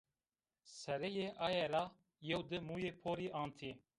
Sereyê aye ra yew-di muyê porî antî